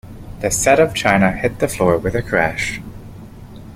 The set of china hit the floor with a crash.